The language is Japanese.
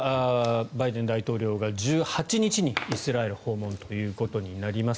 バイデン大統領が１８日にイスラエル訪問ということになります。